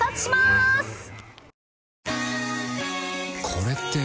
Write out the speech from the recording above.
これって。